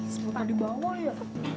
semua tadi bawa ya